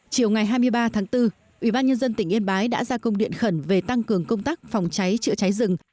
chiều ngày hai mươi ba tháng bốn ubnd tỉnh yên bái đã ra công điện khẩn về tăng cường công tác phòng cháy chữa cháy rừng